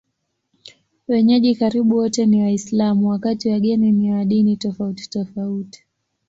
Wenyeji karibu wote ni Waislamu, wakati wageni ni wa dini tofautitofauti.